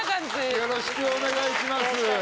よろしくお願いします